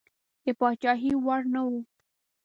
د پاچهي وړ نه وو.